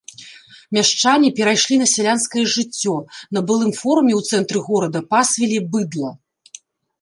Мяшчане перайшлі на сялянскае жыццё, на былым форуме ў цэнтры горада пасвілі быдла.